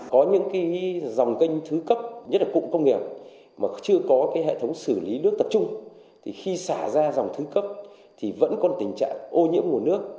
có những dòng kênh thứ cấp nhất là cụm công nghiệp mà chưa có hệ thống xử lý nước tập trung thì khi xả ra dòng thứ cấp thì vẫn còn tình trạng ô nhiễm nguồn nước